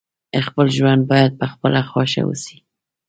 خپل ژوند باید په خپله خوښه وسي.